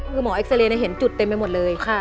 คือหมอเอ็กซาเรย์เห็นจุดเต็มไปหมดเลย